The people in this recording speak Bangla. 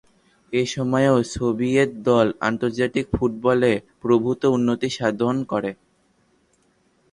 এ সময়েও সোভিয়েত দল আন্তর্জাতিক ফুটবলে প্রভূত উন্নতি সাধন করে।